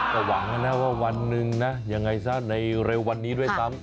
ก็หวังนะว่าวันหนึ่งนะยังไงซะในเร็ววันนี้ด้วยซ้ำ